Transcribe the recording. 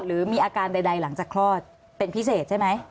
หรือมีอาการใดหลังจากคลอดเป็นพิเศษใช่ไหม